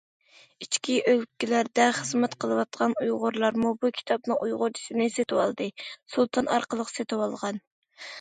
ئىچكى ئۆلكىلەردە خىزمەت قىلىۋاتقان ئۇيغۇرلارمۇ بۇ كىتابنىڭ ئۇيغۇرچىسىنى سېتىۋالدى سۇلتان ئارقىلىق سېتىۋالغان.